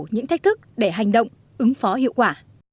những thách thức để hành động ứng phó hiệu quả